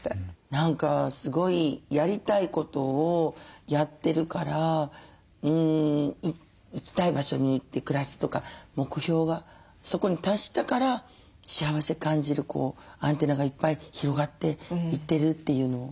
何かすごいやりたいことをやってるから行きたい場所に行って暮らすとか目標はそこに達したから幸せ感じるアンテナがいっぱい広がっていってるというのをすごく思いましたね。